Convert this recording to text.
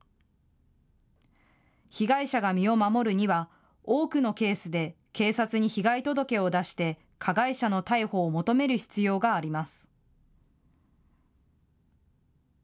被害者が身を守るには多くのケースで警察に被害届を出して加害者の逮捕を求める必要があります。